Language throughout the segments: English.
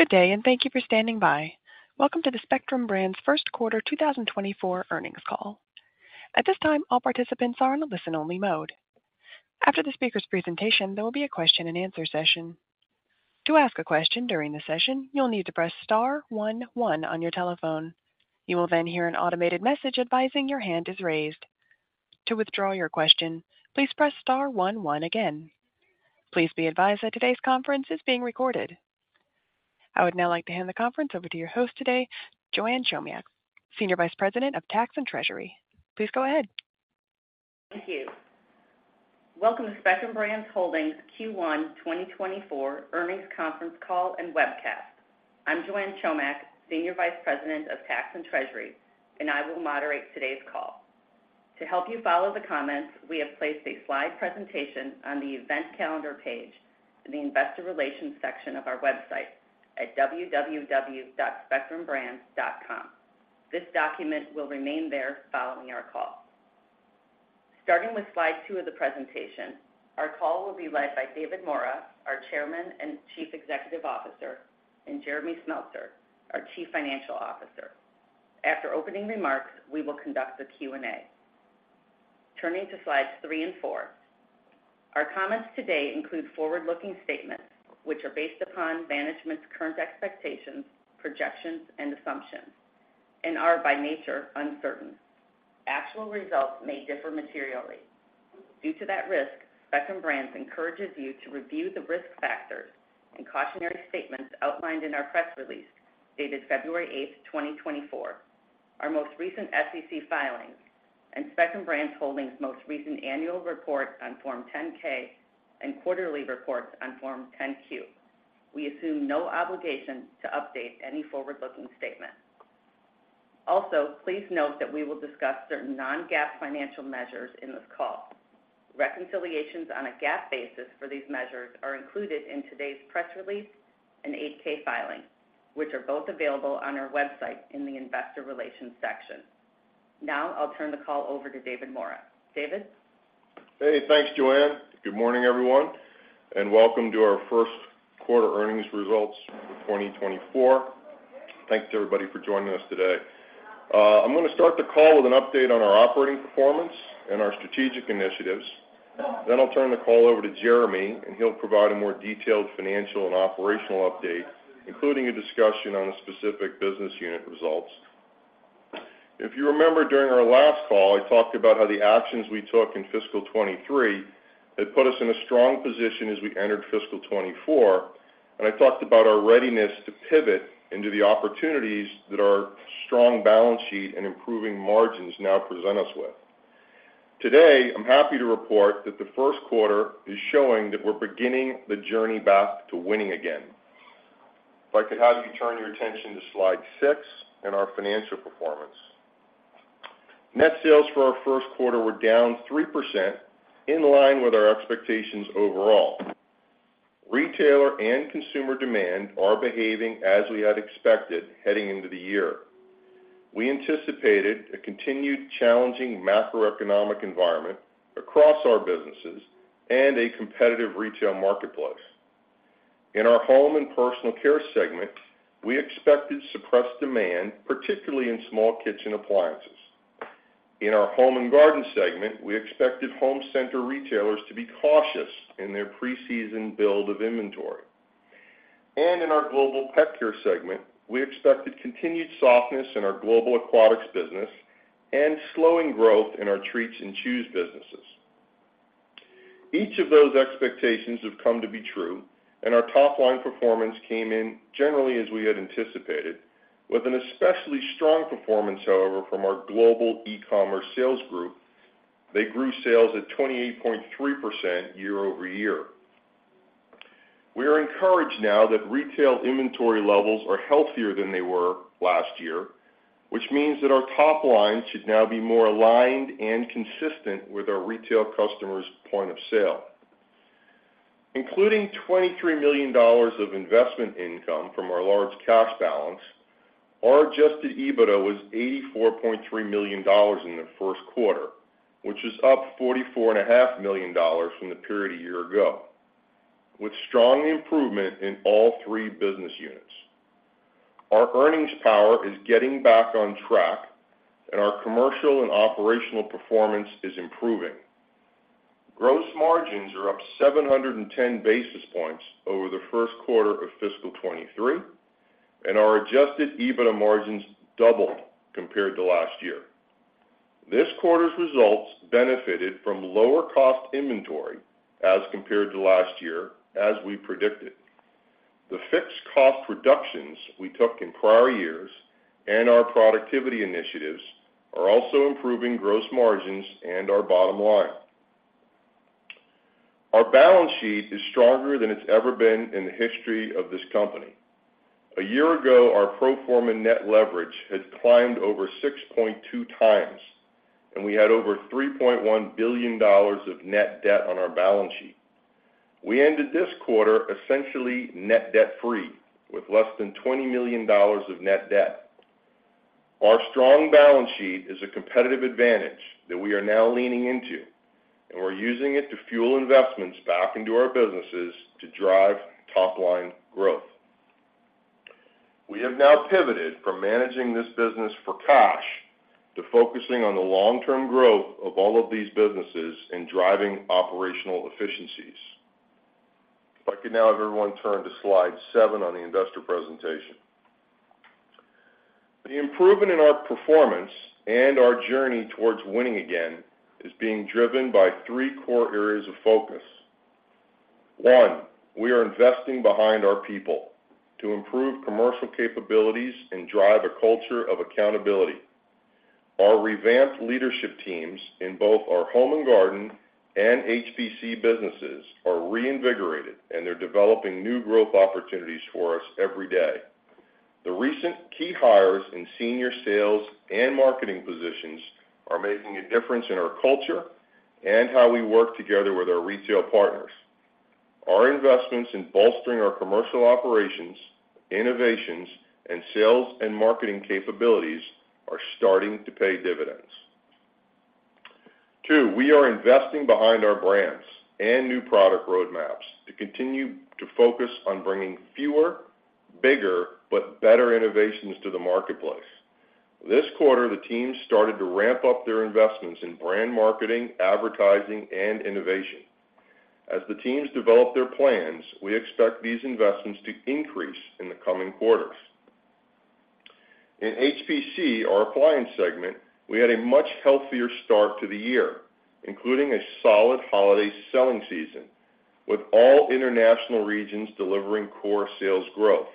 Good day, and thank you for standing by. Welcome to the Spectrum Brands first quarter 2024 earnings call. At this time, all participants are in a listen-only mode. After the speaker's presentation, there will be a question-and-answer session. To ask a question during the session, you'll need to press star one one on your telephone. You will then hear an automated message advising your hand is raised. To withdraw your question, please press star one one again. Please be advised that today's conference is being recorded. I would now like to hand the conference over to your host today, Joanne Chomiak, Senior Vice President of Tax and Treasury. Please go ahead. Thank you. Welcome to Spectrum Brands Holdings Q1 2024 earnings conference call and webcast. I'm Joanne Chomiak, Senior Vice President of Tax and Treasury, and I will moderate today's call. To help you follow the comments, we have placed a slide presentation on the event calendar page in the Investor Relations section of our website at www.spectrumbrands.com. This document will remain there following our call. Starting with slide 2 of the presentation, our call will be led by David Maura, our Chairman and Chief Executive Officer, and Jeremy Smeltser, our Chief Financial Officer. After opening remarks, we will conduct the Q&A. Turning to slides 3 and 4. Our comments today include forward-looking statements, which are based upon management's current expectations, projections, and assumptions, and are, by nature, uncertain. Actual results may differ materially. Due to that risk, Spectrum Brands encourages you to review the risk factors and cautionary statements outlined in our press release, dated February 8, 2024. Our most recent SEC filings and Spectrum Brands Holdings' most recent annual report on Form 10-K and quarterly reports on Form 10-Q. We assume no obligation to update any forward-looking statement. Also, please note that we will discuss certain non-GAAP financial measures in this call. Reconciliations on a GAAP basis for these measures are included in today's press release and 8-K filings, which are both available on our website in the Investor Relations section. Now I'll turn the call over to David Maura. David? Hey, thanks, Joanne. Good morning, everyone, and welcome to our first quarter earnings results for 2024. Thanks to everybody for joining us today. I'm gonna start the call with an update on our operating performance and our strategic initiatives. Then I'll turn the call over to Jeremy, and he'll provide a more detailed financial and operational update, including a discussion on the specific business unit results. If you remember, during our last call, I talked about how the actions we took in fiscal 2023 had put us in a strong position as we entered fiscal 2024, and I talked about our readiness to pivot into the opportunities that our strong balance sheet and improving margins now present us with. Today, I'm happy to report that the first quarter is showing that we're beginning the journey back to winning again. If I could have you turn your attention to slide 6 and our financial performance. Net sales for our first quarter were down 3%, in line with our expectations overall. Retailer and consumer demand are behaving as we had expected heading into the year. We anticipated a continued challenging macroeconomic environment across our businesses and a competitive retail marketplace. In our home and personal care segment, we expected suppressed demand, particularly in small kitchen appliances. In our Home & Garden segment, we expected home center retailers to be cautious in their preseason build of inventory. In our global pet care segment, we expected continued softness in our global aquatics business and slowing growth in our treats and chews businesses. Each of those expectations have come to be true, and our top-line performance came in generally as we had anticipated, with an especially strong performance, however, from our global e-commerce sales group. They grew sales at 28.3% year-over-year. We are encouraged now that retail inventory levels are healthier than they were last year, which means that our top line should now be more aligned and consistent with our retail customers' point of sale. Including $23 million of investment income from our large cash balance, our Adjusted EBITDA was $84.3 million in the first quarter, which is up $44.5 million from the period a year ago, with strong improvement in all three business units. Our earnings power is getting back on track, and our commercial and operational performance is improving. Gross margins are up 710 basis points over the first quarter of fiscal 2023, and our adjusted EBITDA margins doubled compared to last year. This quarter's results benefited from lower cost inventory as compared to last year, as we predicted. The fixed cost reductions we took in prior years and our productivity initiatives are also improving gross margins and our bottom line. Our balance sheet is stronger than it's ever been in the history of this company. A year ago, our pro forma net leverage had climbed over 6.2x, and we had over $3.1 billion of net debt on our balance sheet. We ended this quarter essentially net debt-free, with less than $20 million of net debt. Our strong balance sheet is a competitive advantage that we are now leaning into, and we're using it to fuel investments back into our businesses to drive top-line growth. We have now pivoted from managing this business for cash to focusing on the long-term growth of all of these businesses and driving operational efficiencies. If I could now have everyone turn to slide 7 on the investor presentation. The improvement in our performance and our journey towards winning again is being driven by three core areas of focus. One, we are investing behind our people to improve commercial capabilities and drive a culture of accountability. Our revamped leadership teams in both our Home & Garden and HPC businesses are reinvigorated, and they're developing new growth opportunities for us every day. The recent key hires in senior sales and marketing positions are making a difference in our culture and how we work together with our retail partners. Our investments in bolstering our commercial operations, innovations, and sales and marketing capabilities are starting to pay dividends. 2, we are investing behind our brands and new product roadmaps to continue to focus on bringing fewer, bigger, but better innovations to the marketplace. This quarter, the team started to ramp up their investments in brand marketing, advertising, and innovation. As the teams develop their plans, we expect these investments to increase in the coming quarters. In HPC, our appliance segment, we had a much healthier start to the year, including a solid holiday selling season, with all international regions delivering core sales growth.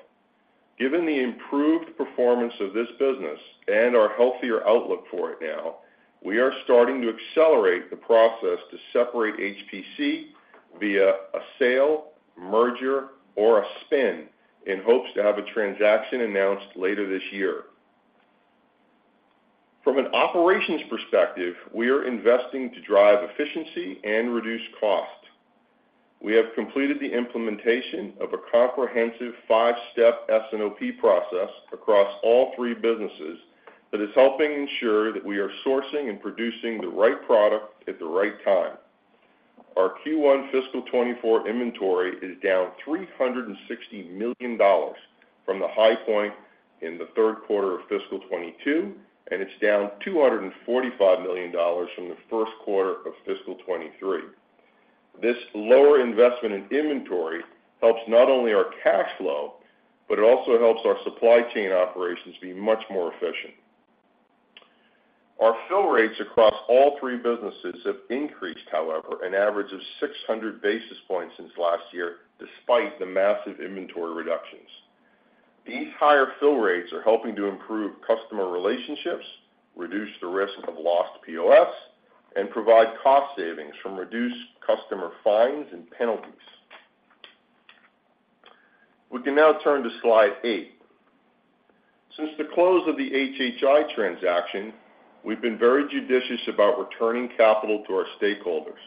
Given the improved performance of this business and our healthier outlook for it now, we are starting to accelerate the process to separate HPC via a sale, merger, or a spin, in hopes to have a transaction announced later this year. From an operations perspective, we are investing to drive efficiency and reduce costs. We have completed the implementation of a comprehensive 5-step S&OP process across all three businesses that is helping ensure that we are sourcing and producing the right product at the right time. Our Q1 fiscal 2024 inventory is down $360 million from the high point in the third quarter of fiscal 2022, and it's down $245 million from the first quarter of fiscal 2023. This lower investment in inventory helps not only our cash flow, but it also helps our supply chain operations be much more efficient. Our fill rates across all three businesses have increased, however, an average of 600 basis points since last year, despite the massive inventory reductions. These higher fill rates are helping to improve customer relationships, reduce the risk of lost POS, and provide cost savings from reduced customer fines and penalties. We can now turn to slide 8. Since the close of the HHI transaction, we've been very judicious about returning capital to our stakeholders.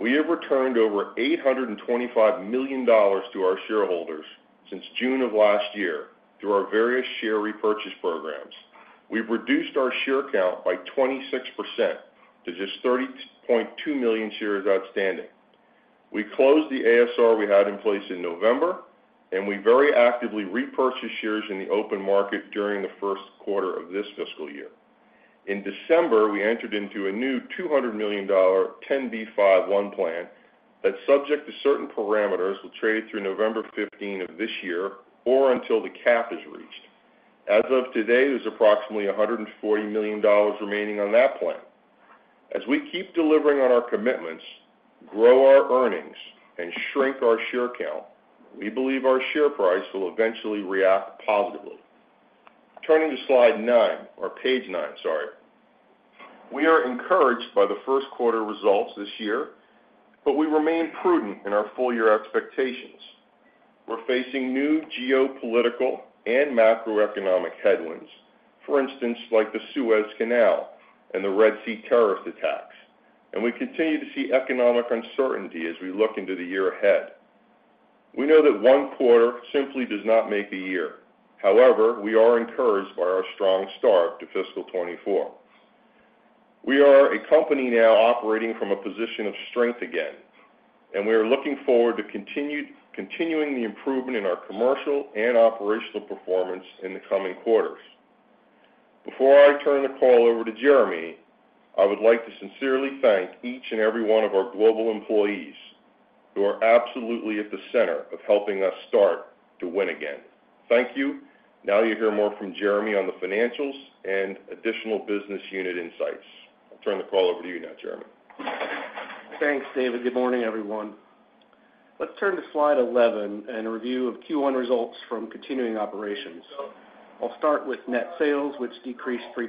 We have returned over $825 million to our shareholders since June of last year through our various share repurchase programs. We've reduced our share count by 26% to just 30.2 million shares outstanding. We closed the ASR we had in place in November, and we very actively repurchased shares in the open market during the first quarter of this fiscal year. In December, we entered into a new $200 million 10b5-1 plan that, subject to certain parameters, will trade through November 15 of this year or until the cap is reached. As of today, there's approximately $140 million remaining on that plan. As we keep delivering on our commitments, grow our earnings, and shrink our share count, we believe our share price will eventually react positively. Turning to slide 9, or page 9, sorry. We are encouraged by the first quarter results this year, but we remain prudent in our full-year expectations. We're facing new geopolitical and macroeconomic headwinds, for instance, like the Suez Canal and the Red Sea terrorist attacks, and we continue to see economic uncertainty as we look into the year ahead. We know that one quarter simply does not make the year. However, we are encouraged by our strong start to fiscal 2024. We are a company now operating from a position of strength again, and we are looking forward to continuing the improvement in our commercial and operational performance in the coming quarters. Before I turn the call over to Jeremy, I would like to sincerely thank each and every one of our global employees, who are absolutely at the center of helping us start to win again. Thank you. Now you'll hear more from Jeremy on the financials and additional business unit insights. I'll turn the call over to you now, Jeremy. Thanks, David. Good morning, everyone. Let's turn to slide 11 and a review of Q1 results from continuing operations. I'll start with net sales, which decreased 3%.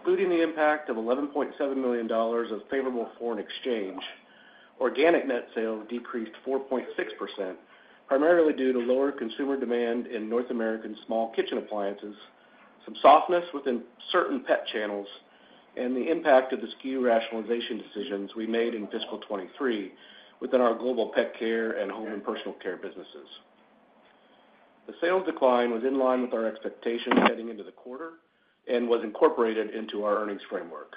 Including the impact of $11.7 million of favorable foreign exchange, organic net sales decreased 4.6%, primarily due to lower consumer demand in North American small kitchen appliances, some softness within certain pet channels and the impact of the SKU rationalization decisions we made in fiscal 2023 within our Global Pet Care and Home and Personal Care businesses. The sales decline was in line with our expectations heading into the quarter and was incorporated into our earnings framework.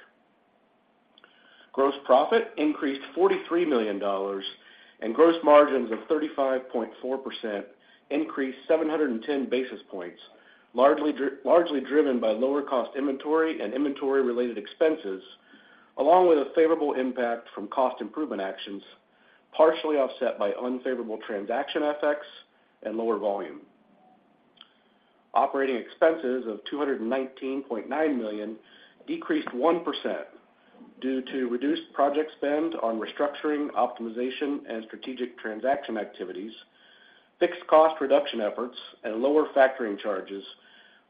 Gross profit increased $43 million, and gross margins of 35.4% increased 710 basis points, largely driven by lower cost inventory and inventory-related expenses, along with a favorable impact from cost improvement actions, partially offset by unfavorable transaction effects and lower volume. Operating expenses of $219.9 million decreased 1% due to reduced project spend on restructuring, optimization, and strategic transaction activities, fixed cost reduction efforts, and lower factoring charges,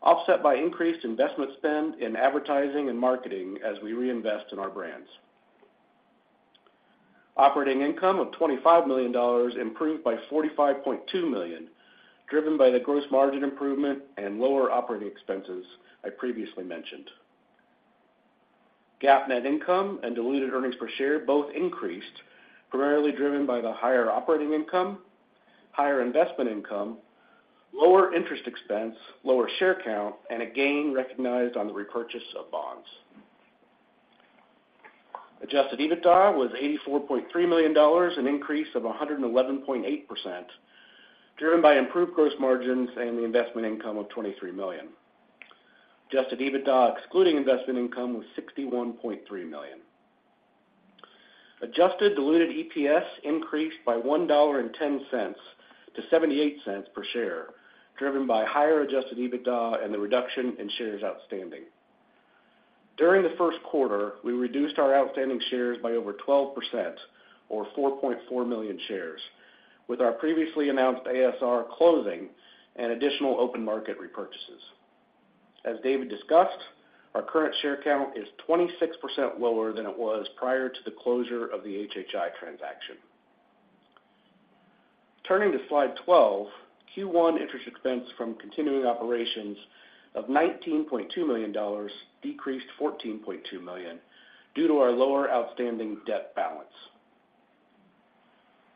offset by increased investment spend in advertising and marketing as we reinvest in our brands. Operating income of $25 million improved by $45.2 million, driven by the gross margin improvement and lower operating expenses I previously mentioned. GAAP net income and diluted earnings per share both increased, primarily driven by the higher operating income, higher investment income, lower interest expense, lower share count, and a gain recognized on the repurchase of bonds. Adjusted EBITDA was $84.3 million, an increase of 111.8%, driven by improved gross margins and the investment income of $23 million. Adjusted EBITDA, excluding investment income, was $61.3 million. Adjusted diluted EPS increased by $1.10 to $0.78 per share, driven by higher adjusted EBITDA and the reduction in shares outstanding. During the first quarter, we reduced our outstanding shares by over 12%, or 4.4 million shares, with our previously announced ASR closing and additional open market repurchases. As David discussed, our current share count is 26% lower than it was prior to the closure of the HHI transaction. Turning to slide 12, Q1 interest expense from continuing operations of $19.2 million decreased $14.2 million due to our lower outstanding debt balance.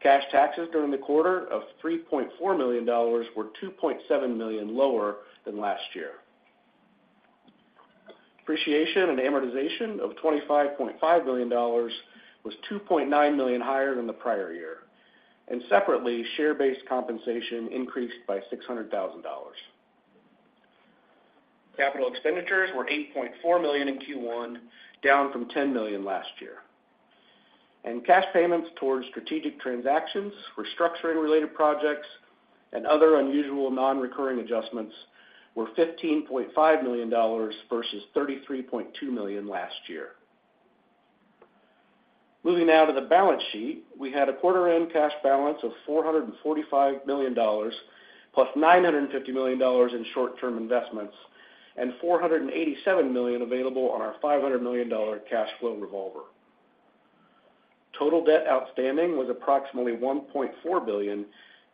Cash taxes during the quarter of $3.4 million were $2.7 million lower than last year. Depreciation and amortization of $25.5 million was $2.9 million higher than the prior year, and separately, share-based compensation increased by $600,000. Capital expenditures were $8.4 million in Q1, down from $10 million last year, and cash payments towards strategic transactions, restructuring-related projects, and other unusual non-recurring adjustments were $15.5 million versus $33.2 million last year. Moving now to the balance sheet, we had a quarter-end cash balance of $445 million, plus $950 million in short-term investments, and $487 million available on our $500 million cash flow revolver. Total debt outstanding was approximately $1.4 billion,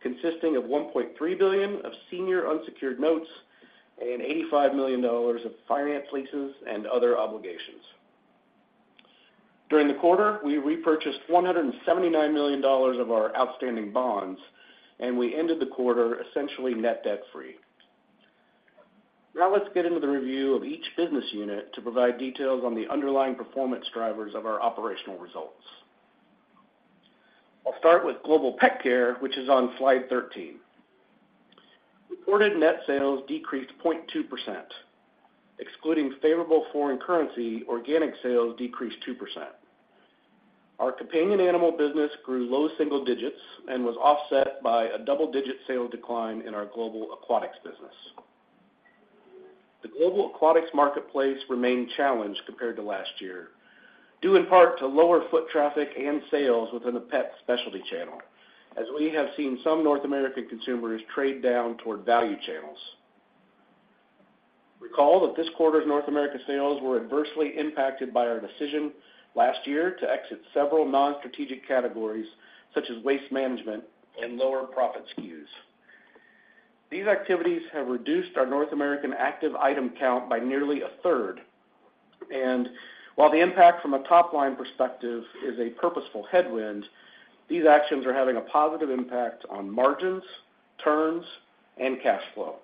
consisting of $1.3 billion of senior unsecured notes and $85 million of finance leases and other obligations. During the quarter, we repurchased $179 million of our outstanding bonds, and we ended the quarter essentially net debt-free. Now, let's get into the review of each business unit to provide details on the underlying performance drivers of our operational results. I'll start with Global Pet Care, which is on slide 13. Reported net sales decreased 0.2%. Excluding favorable foreign currency, organic sales decreased 2%. Our companion animal business grew low single digits and was offset by a double-digit sales decline in our global aquatics business. The global aquatics marketplace remained challenged compared to last year, due in part to lower foot traffic and sales within the pet specialty channel, as we have seen some North American consumers trade down toward value channels. Recall that this quarter's North American sales were adversely impacted by our decision last year to exit several non-strategic categories, such as waste management and lower profit SKUs. These activities have reduced our North American active item count by nearly a third, and while the impact from a top-line perspective is a purposeful headwind, these actions are having a positive impact on margins, turns, and cash flow.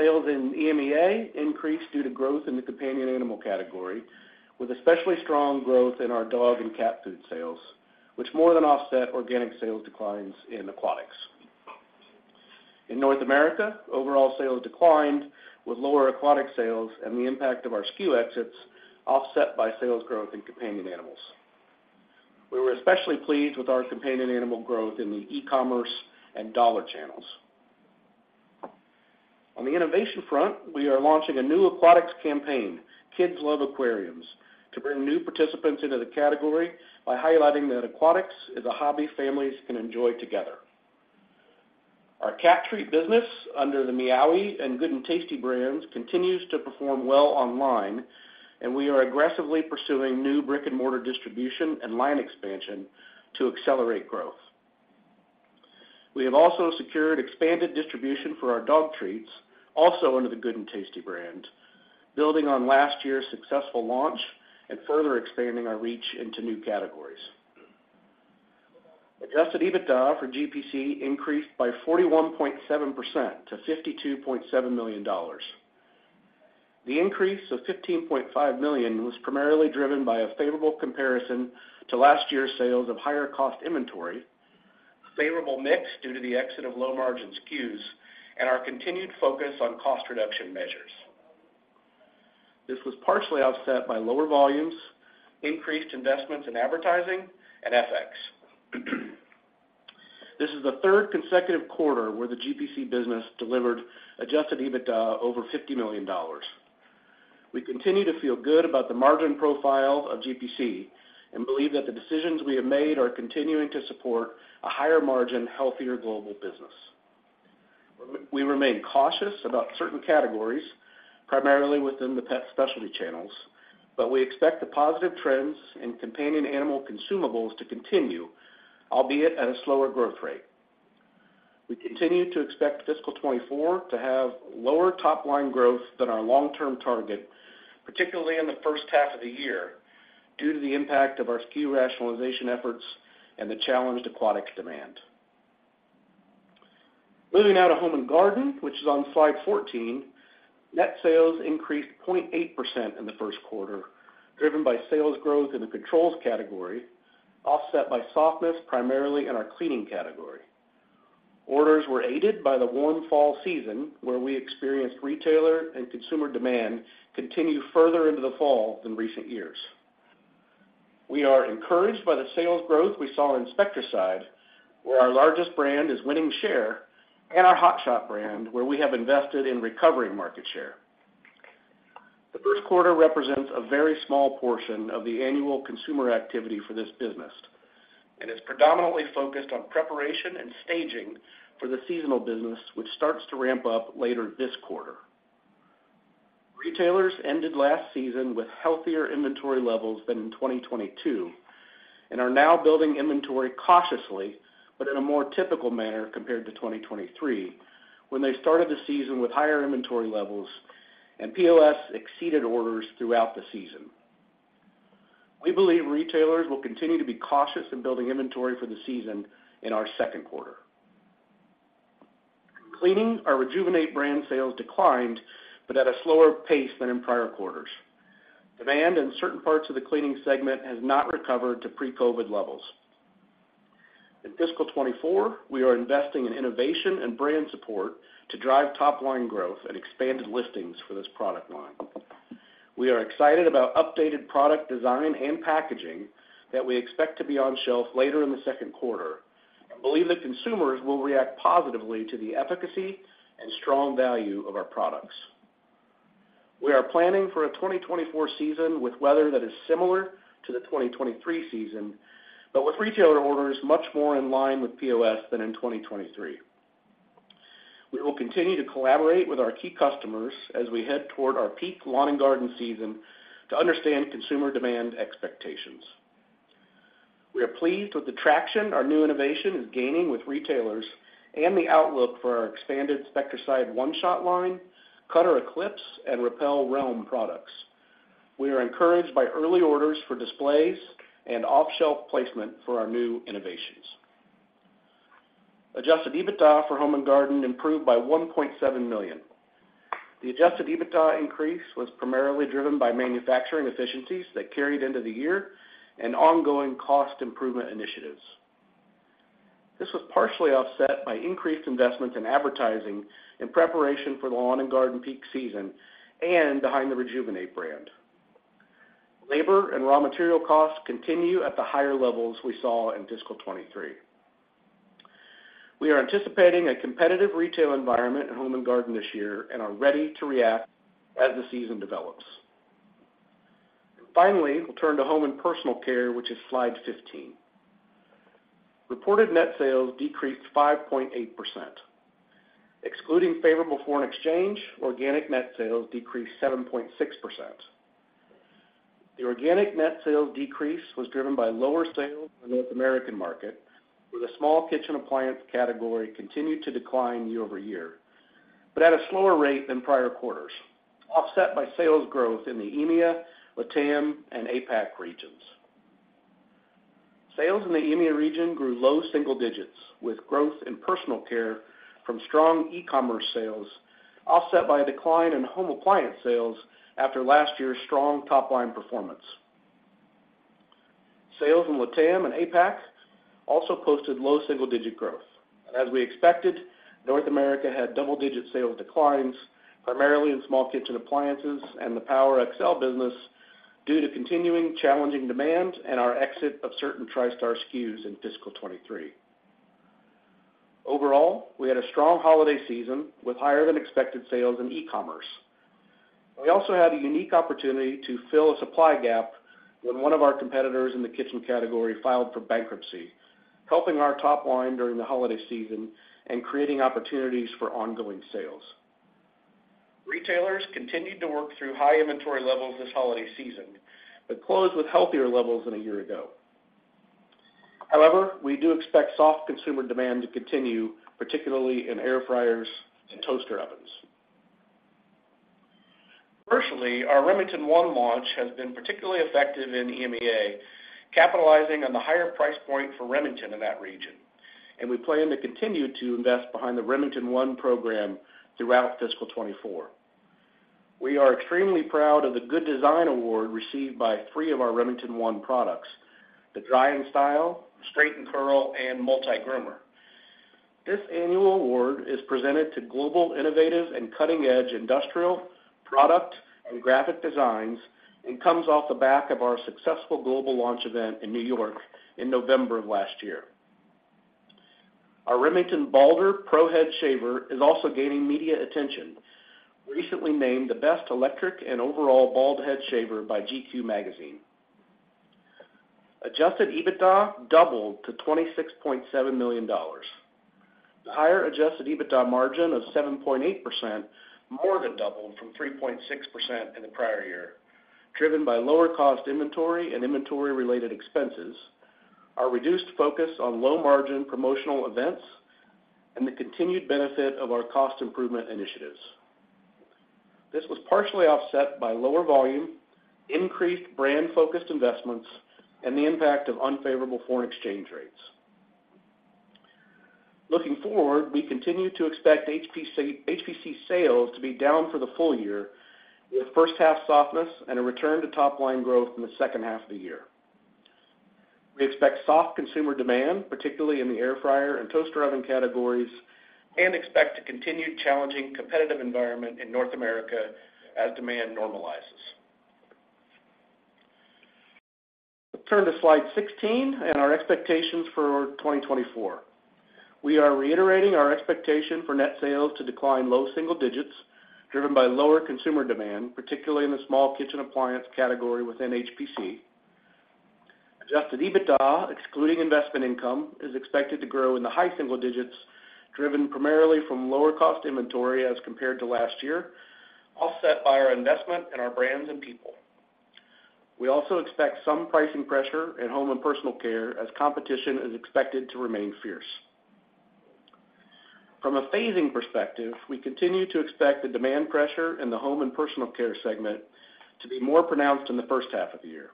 Sales in EMEA increased due to growth in the companion animal category, with especially strong growth in our dog and cat food sales, which more than offset organic sales declines in aquatics. In North America, overall sales declined, with lower aquatic sales and the impact of our SKU exits offset by sales growth in companion animals. We were especially pleased with our companion animal growth in the e-commerce and dollar channels. On the innovation front, we are launching a new aquatics campaign, Kids Love Aquariums!, to bring new participants into the category by highlighting that aquatics is a hobby families can enjoy together. Our cat treat business, under the Meowee! and Good 'n' Tasty brands, continues to perform well online, and we are aggressively pursuing new brick-and-mortar distribution and line expansion to accelerate growth. We have also secured expanded distribution for our dog treats, also under the Good 'n' Tasty brand, building on last year's successful launch and further expanding our reach into new categories. Adjusted EBITDA for GPC increased by 41.7% to $52.7 million. The increase of $15.5 million was primarily driven by a favorable comparison to last year's sales of higher cost inventory, favorable mix due to the exit of low-margin SKUs, and our continued focus on cost reduction measures. This was partially offset by lower volumes, increased investments in advertising and FX. This is the third consecutive quarter where the GPC business delivered adjusted EBITDA over $50 million. We continue to feel good about the margin profile of GPC and believe that the decisions we have made are continuing to support a higher margin, healthier global business. We remain cautious about certain categories, primarily within the pet specialty channels, but we expect the positive trends in companion animal consumables to continue, albeit at a slower growth rate. We continue to expect fiscal 2024 to have lower top-line growth than our long-term target, particularly in the first half of the year, due to the impact of our SKU rationalization efforts and the challenged aquatics demand. Moving now to Home & Garden, which is on slide 14, net sales increased 0.8% in the first quarter, driven by sales growth in the controls category, offset by softness, primarily in our cleaning category. Orders were aided by the warm fall season, where we experienced retailer and consumer demand continue further into the fall than recent years. We are encouraged by the sales growth we saw in Spectracide, where our largest brand is winning share, and our Hot Shot brand, where we have invested in recovering market share. The first quarter represents a very small portion of the annual consumer activity for this business and is predominantly focused on preparation and staging for the seasonal business, which starts to ramp up later this quarter. Retailers ended last season with healthier inventory levels than in 2022 and are now building inventory cautiously, but in a more typical manner compared to 2023, when they started the season with higher inventory levels and POS exceeded orders throughout the season. We believe retailers will continue to be cautious in building inventory for the season in our second quarter. Cleaning, our Rejuvenate brand sales declined, but at a slower pace than in prior quarters. Demand in certain parts of the cleaning segment has not recovered to pre-COVID levels. In fiscal 2024, we are investing in innovation and brand support to drive top-line growth and expanded listings for this product line. We are excited about updated product design and packaging that we expect to be on shelf later in the second quarter and believe that consumers will react positively to the efficacy and strong value of our products. We are planning for a 2024 season with weather that is similar to the 2023 season, but with retailer orders much more in line with POS than in 2023. We will continue to collaborate with our key customers as we head toward our peak lawn and garden season to understand consumer demand expectations. We are pleased with the traction our new innovation is gaining with retailers and the outlook for our expanded Spectracide One-Shot line, Cutter Eclipse, and Repel Realm products. We are encouraged by early orders for displays and off-shelf placement for our new innovations. Adjusted EBITDA for Home & Garden improved by $1.7 million. The adjusted EBITDA increase was primarily driven by manufacturing efficiencies that carried into the year and ongoing cost improvement initiatives. This was partially offset by increased investments in advertising in preparation for the lawn and garden peak season and behind the Rejuvenate brand. Labor and raw material costs continue at the higher levels we saw in fiscal 2023. We are anticipating a competitive retail environment in Home & Garden this year and are ready to react as the season develops. Finally, we'll turn to Home and Personal Care, which is slide 15. Reported net sales decreased 5.8%. Excluding favorable foreign exchange, organic net sales decreased 7.6%. The organic net sales decrease was driven by lower sales in the North American market, where the small kitchen appliance category continued to decline year-over-year, but at a slower rate than prior quarters, offset by sales growth in the EMEA, LATAM, and APAC regions. Sales in the EMEA region grew low single digits, with growth in personal care from strong e-commerce sales, offset by a decline in home appliance sales after last year's strong top-line performance. Sales in LATAM and APAC also posted low single-digit growth. As we expected, North America had double-digit sales declines, primarily in small kitchen appliances and the PowerXL business, due to continuing challenging demand and our exit of certain Tristar SKUs in fiscal 2023. Overall, we had a strong holiday season, with higher-than-expected sales in e-commerce. We also had a unique opportunity to fill a supply gap when one of our competitors in the kitchen category filed for bankruptcy, helping our top line during the holiday season and creating opportunities for ongoing sales. Retailers continued to work through high inventory levels this holiday season, but closed with healthier levels than a year ago. However, we do expect soft consumer demand to continue, particularly in air fryers and toaster ovens. Virtually, our Remington One launch has been particularly effective in EMEA, capitalizing on the higher price point for Remington in that region, and we plan to continue to invest behind the Remington One program throughout fiscal 2024. We are extremely proud of the Good Design Award received by 3 of our Remington One products: the Dry & Style, Straight & Curl, and Multi-Groomer. This annual award is presented to global, innovative, and cutting-edge industrial, product, and graphic designs, and comes off the back of our successful global launch event in New York in November of last year. Our Remington Balder Pro Head Shaver is also gaining media attention, recently named the Best Electric and Overall Bald Head Shaver by GQ Magazine. Adjusted EBITDA doubled to $26.7 million. The higher adjusted EBITDA margin of 7.8% more than doubled from 3.6% in the prior year, driven by lower cost inventory and inventory-related expenses, our reduced focus on low-margin promotional events, and the continued benefit of our cost improvement initiatives. This was partially offset by lower volume, increased brand-focused investments, and the impact of unfavorable foreign exchange rates. Looking forward, we continue to expect HPC, HPC sales to be down for the full year, with first half softness and a return to top line growth in the second half of the year. We expect soft consumer demand, particularly in the air fryer and toaster oven categories, and expect to continue challenging competitive environment in North America as demand normalizes. Turn to slide 16 and our expectations for 2024. We are reiterating our expectation for net sales to decline low single digits, driven by lower consumer demand, particularly in the small kitchen appliance category within HPC. Adjusted EBITDA, excluding investment income, is expected to grow in the high single digits, driven primarily from lower cost inventory as compared to last year, offset by our investment in our brands and people. We also expect some pricing pressure in home and personal care as competition is expected to remain fierce. From a phasing perspective, we continue to expect the demand pressure in the home and personal care segment to be more pronounced in the first half of the year.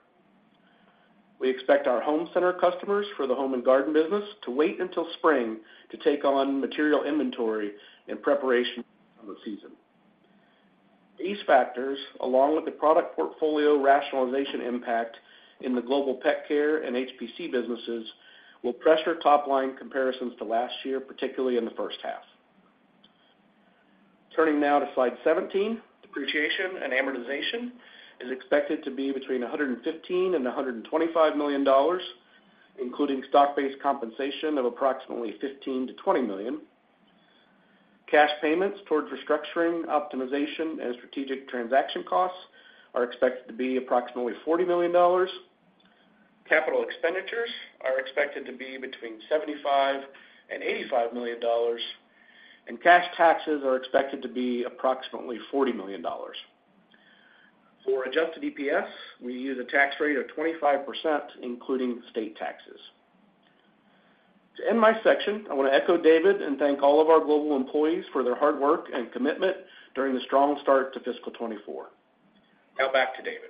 We expect our home center customers for the Home & Garden business to wait until spring to take on material inventory in preparation for the season. These factors, along with the product portfolio rationalization impact in the global pet care and HPC businesses, will pressure top line comparisons to last year, particularly in the first half. Turning now to slide 17, depreciation and amortization is expected to be between $115 million and $125 million, including stock-based compensation of approximately $15 million-$20 million. Cash payments towards restructuring, optimization, and strategic transaction costs are expected to be approximately $40 million. Capital expenditures are expected to be between $75 million and $85 million, and cash taxes are expected to be approximately $40 million. For adjusted EPS, we use a tax rate of 25%, including state taxes. To end my section, I want to echo David and thank all of our global employees for their hard work and commitment during the strong start to fiscal 2024. Now, back to David.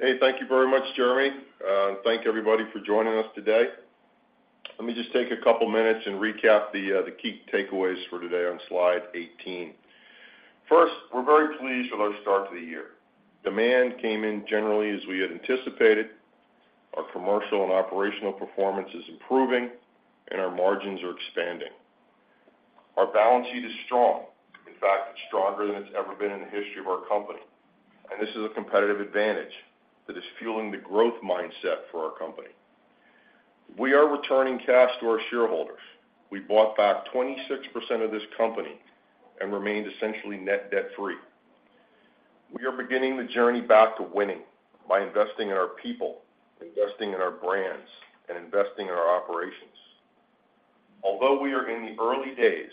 Hey, thank you very much, Jeremy, and thank everybody for joining us today. Let me just take a couple minutes and recap the key takeaways for today on slide 18. First, we're very pleased with our start to the year. Demand came in generally as we had anticipated. Our commercial and operational performance is improving, and our margins are expanding. Our balance sheet is strong. In fact, it's stronger than it's ever been in the history of our company, and this is a competitive advantage that is fueling the growth mindset for our company. We are returning cash to our shareholders. We bought back 26% of this company and remained essentially net debt-free. We are beginning the journey back to winning by investing in our people, investing in our brands, and investing in our operations. Although we are in the early days,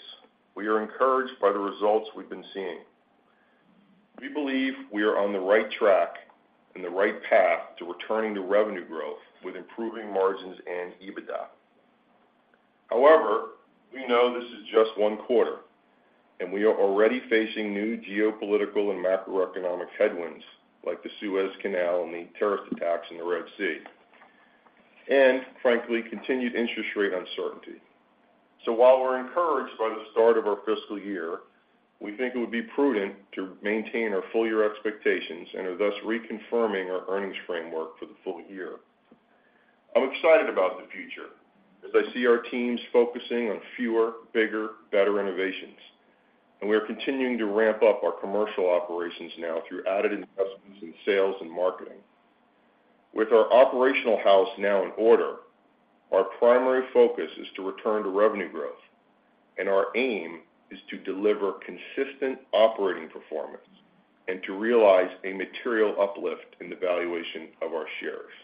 we are encouraged by the results we've been seeing. We believe we are on the right track and the right path to returning to revenue growth with improving margins and EBITDA. However, we know this is just one quarter, and we are already facing new geopolitical and macroeconomic headwinds, like the Suez Canal and the terrorist attacks in the Red Sea, and frankly, continued interest rate uncertainty. So while we're encouraged by the start of our fiscal year, we think it would be prudent to maintain our full year expectations and are thus reconfirming our earnings framework for the full year. I'm excited about the future as I see our teams focusing on fewer, bigger, better innovations, and we are continuing to ramp up our commercial operations now through added investments in sales and marketing. With our operational house now in order, our primary focus is to return to revenue growth, and our aim is to deliver consistent operating performance and to realize a material uplift in the valuation of our shares.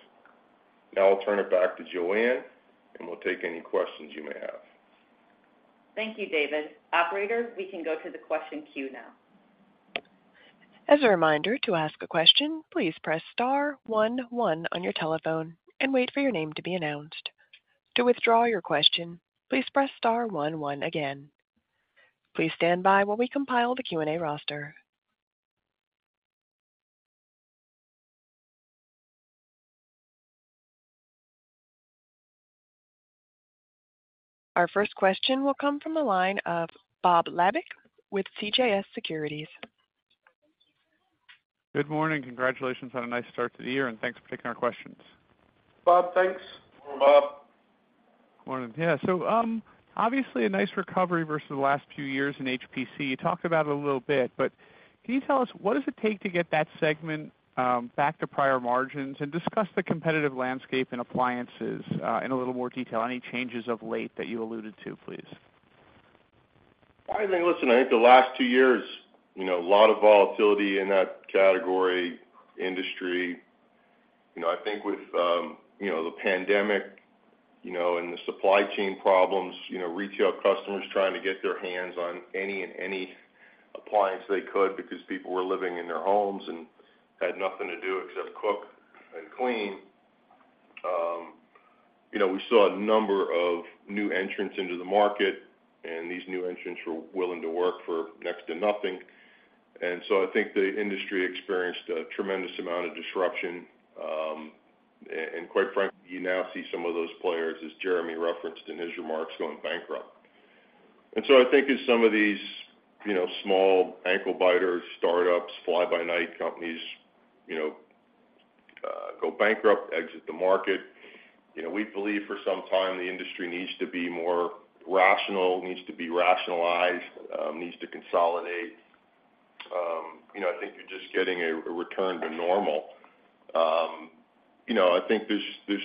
Now I'll turn it back to Joanne, and we'll take any questions you may have. Thank you, David. Operator, we can go to the question queue now. As a reminder, to ask a question, please press star one, one on your telephone and wait for your name to be announced. To withdraw your question, please press star one, one again. Please stand by while we compile the Q&A roster. Our first question will come from the line of Bob Labick with CJS Securities. Good morning. Congratulations on a nice start to the year, and thanks for taking our questions. Bob, thanks. Good morning, Bob. Morning. Yeah, so, obviously a nice recovery versus the last few years in HPC. You talked about it a little bit, but can you tell us what does it take to get that segment back to prior margins? And discuss the competitive landscape and appliances in a little more detail. Any changes of late that you alluded to, please? I think, listen, I think the last two years, you know, a lot of volatility in that category, industry. You know, I think with, you know, the pandemic, you know, and the supply chain problems, you know, retail customers trying to get their hands on any and any appliance they could because people were living in their homes and had nothing to do except cook and clean. You know, we saw a number of new entrants into the market, and these new entrants were willing to work for next to nothing. And so I think the industry experienced a tremendous amount of disruption, and quite frankly, you now see some of those players, as Jeremy referenced in his remarks, going bankrupt. I think as some of these, you know, small ankle-biter startups, fly-by-night companies, you know, go bankrupt, exit the market, you know, we believe for some time the industry needs to be more rational, needs to be rationalized, needs to consolidate. You know, I think you're just getting a return to normal. You know, I think there's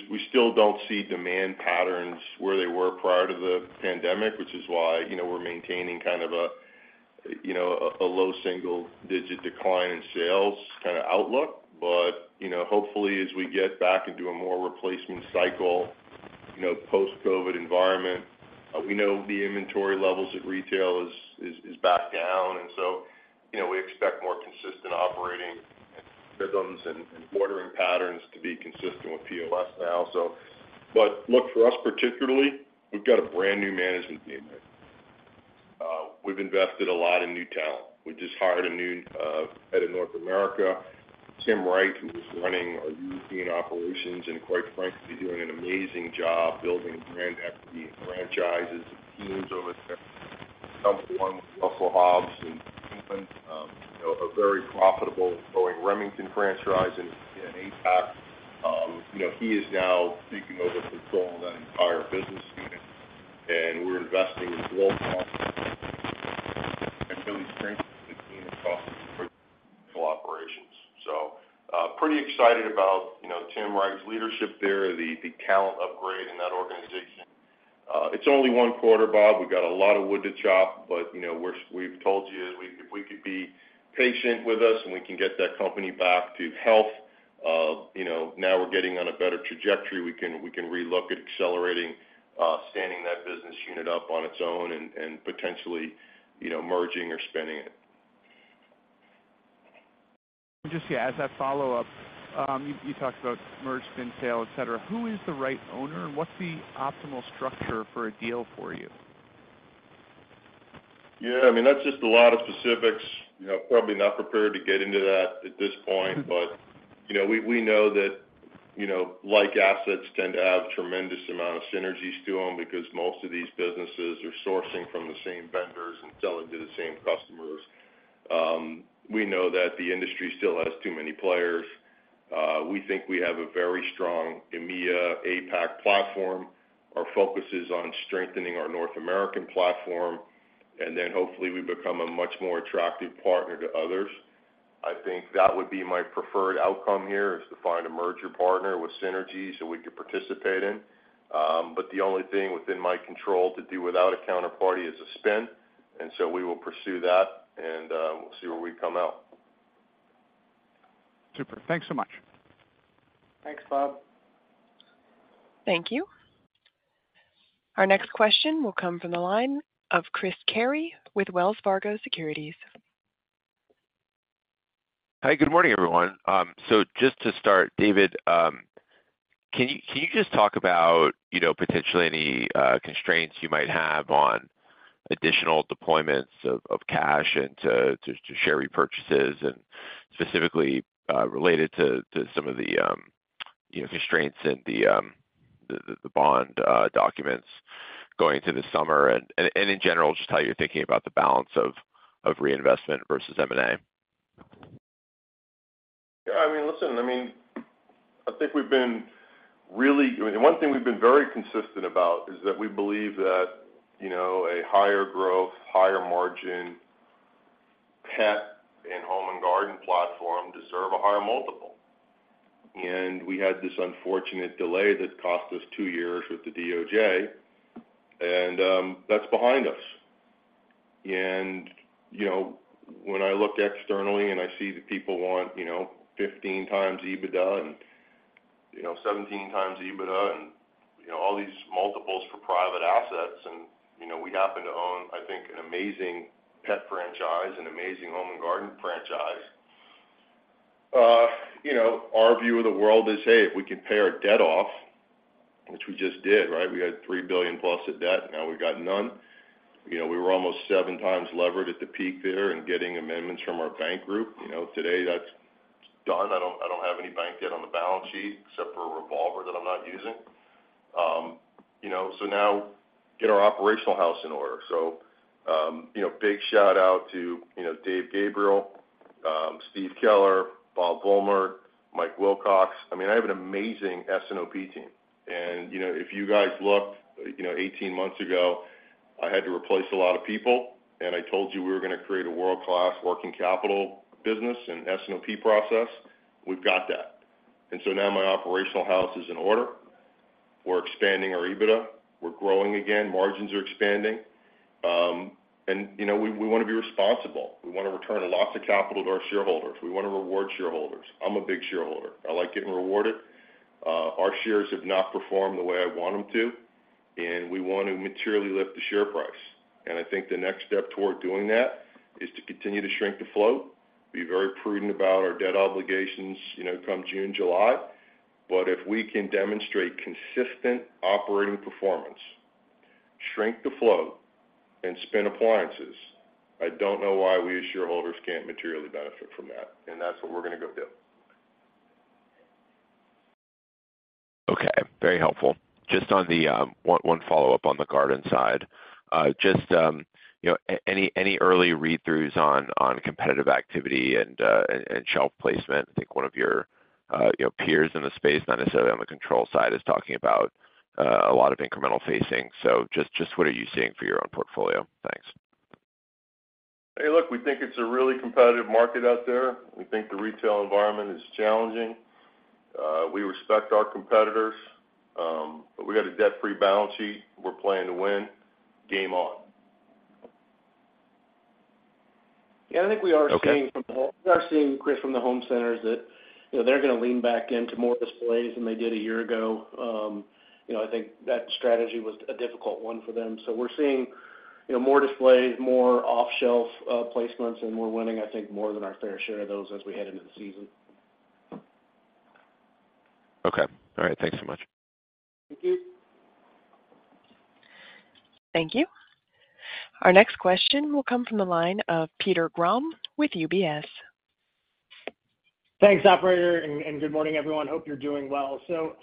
we still don't see demand patterns where they were prior to the pandemic, which is why, you know, we're maintaining kind of a, you know, a low single-digit decline in sales kind of outlook. But, you know, hopefully, as we get back into a more replacement cycle, you know, post-COVID environment, we know the inventory levels at retail is back down, and so, you know, we expect more consistent operating rhythms and ordering patterns to be consistent with POS now, so. But look, for us particularly, we've got a brand new management team there. We've invested a lot in new talent. We just hired a new head of North America, Tim Wright, who was running our European operations and, quite frankly, doing an amazing job building brand equity and franchises and teams over there. Number one, Russell Hobbs in England, you know, a very profitable growing Remington franchise in APAC. You know, he is now taking over control of that entire business unit, and we're investing in global operations. So, pretty excited about, you know, Tim Wright's leadership there, the, the talent upgrade in that organization. It's only one quarter, Bob. We've got a lot of wood to chop, but, you know, we're, we've told you, if we, if we could be patient with us, and we can get that company back to health, you know, now we're getting on a better trajectory. We can, we can relook at accelerating, standing that business unit up on its own and, and potentially, you know, merging or spinning it. Just, yeah, as I follow up, you talked about merger, spin, sale, et cetera. Who is the right owner, and what's the optimal structure for a deal for you? Yeah, I mean, that's just a lot of specifics. You know, probably not prepared to get into that at this point. Mm-hmm. But, you know, we know that, you know, like assets tend to have tremendous amount of synergies to them because most of these businesses are sourcing from the same vendors and selling to the same customers. We know that the industry still has too many players. We think we have a very strong EMEA, APAC platform. Our focus is on strengthening our North American platform, and then hopefully we become a much more attractive partner to others. I think that would be my preferred outcome here, is to find a merger partner with synergies that we could participate in. But the only thing within my control to do without a counterparty is a spin, and so we will pursue that, and we'll see where we come out. Super. Thanks so much. Thanks, Bob. Thank you. Our next question will come from the line of Chris Carey with Wells Fargo Securities. Hi, good morning, everyone. So just to start, David, can you just talk about, you know, potentially any constraints you might have on additional deployments of cash and to share repurchases, and specifically related to some of the, you know, constraints and the bond documents going into the summer? And in general, just how you're thinking about the balance of reinvestment versus M&A. Yeah, I mean, listen, I mean, I think we've been really... I mean, the one thing we've been very consistent about is that we believe that, you know, a higher growth, higher margin pet and Home & Garden platform deserve a higher multiple. We had this unfortunate delay that cost us two years with the DOJ, and that's behind us. You know, when I look externally and I see that people want, you know, 15x EBITDA and, you know, 17x EBITDA and, you know, all these multiples for private assets, and, you know, we happen to own, I think, an amazing pet franchise, an amazing Home & Garden franchise. You know, our view of the world is, hey, if we can pay our debt off, which we just did, right? We had $3 billion plus of debt, now we've got none. You know, we were almost seven times levered at the peak there and getting amendments from our bank group. You know, today, that's done. I don't, I don't have any bank debt on the balance sheet except for a revolver that I'm not using. You know, so now get our operational house in order. So, you know, big shout out to, you know, Dave Gabriel, Steve Keller, Bob Volmert, Mike Wilcox. I mean, I have an amazing S&OP team. You know, if you guys look, you know, 18 months ago, I had to replace a lot of people, and I told you we were going to create a world-class working capital business and S&OP process. We've got that. So now my operational house is in order. We're expanding our EBITDA. We're growing again. Margins are expanding. You know, we want to be responsible. We want to return lots of capital to our shareholders. We want to reward shareholders. I'm a big shareholder. I like getting rewarded. Our shares have not performed the way I want them to, and we want to materially lift the share price. And I think the next step toward doing that is to continue to shrink the flow, be very prudent about our debt obligations, you know, come June, July. But if we can demonstrate consistent operating performance, shrink the flow, and spin appliances, I don't know why we as shareholders can't materially benefit from that, and that's what we're going to go do. Okay, very helpful. Just on the one follow-up on the garden side. Just you know, any early read-throughs on competitive activity and shelf placement? I think one of your you know, peers in the space, not necessarily on the control side, is talking about a lot of incremental facing. So just what are you seeing for your own portfolio? Thanks. Hey, look, we think it's a really competitive market out there. We think the retail environment is challenging. We respect our competitors, but we got a debt-free balance sheet. We're playing to win. Game on. Yeah, I think we are seeing- Okay. We are seeing, Chris, from the home centers that, you know, they're going to lean back into more displays than they did a year ago. You know, I think that strategy was a difficult one for them. So we're seeing, you know, more displays, more off-shelf placements, and we're winning, I think, more than our fair share of those as we head into the season. Okay. All right. Thanks so much. Thank you. Thank you. Our next question will come from the line of Peter Grom with UBS. Thanks, operator, and good morning, everyone. Hope you're doing well. So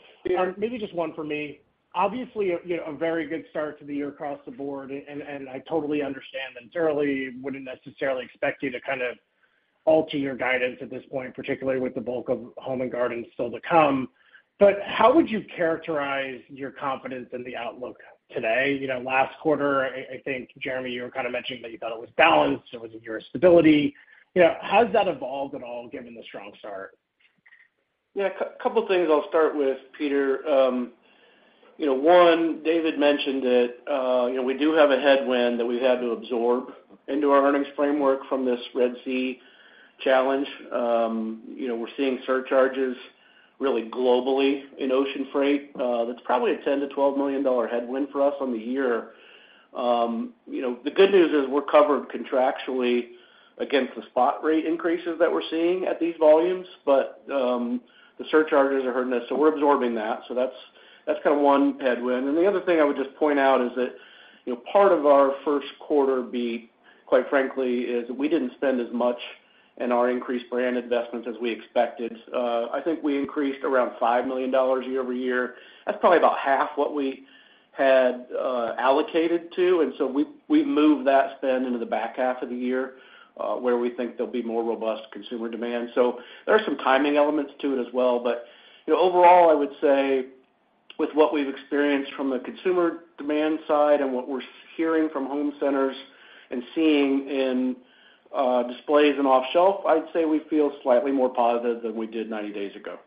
maybe just one for me. Obviously, you know, a very good start to the year across the board, and I totally understand that thoroughly wouldn't necessarily expect you to kind of alter your guidance at this point, particularly with the bulk of Home & Garden still to come. But how would you characterize your confidence in the outlook today? You know, last quarter, I think, Jeremy, you were kind of mentioning that you thought it was balanced, it was your stability. You know, how has that evolved at all, given the strong start? Yeah, a couple of things I'll start with, Peter. You know, one, David mentioned that, you know, we do have a headwind that we've had to absorb into our earnings framework from this Red Sea challenge. You know, we're seeing surcharges really globally in ocean freight. That's probably a $10 million-$12 million headwind for us on the year. You know, the good news is we're covered contractually against the spot rate increases that we're seeing at these volumes, but, the surcharges are hurting us, so we're absorbing that. So that's kind of one headwind. And the other thing I would just point out is that, you know, part of our first quarter beat, quite frankly, is we didn't spend as much in our increased brand investments as we expected. I think we increased around $5 million year-over-year. That's probably about half what we had allocated to, and so we moved that spend into the back half of the year, where we think there'll be more robust consumer demand. So there are some timing elements to it as well. But, you know, overall, I would say with what we've experienced from the consumer demand side and what we're hearing from home centers and seeing in displays and off shelf, I'd say we feel slightly more positive than we did 90 days ago.